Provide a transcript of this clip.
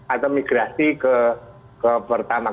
atau migrasi ke pertama